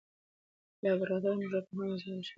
لابراتواري موږکان هم ازمویل شوي دي.